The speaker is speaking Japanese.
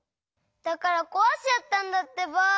だからこわしちゃったんだってば。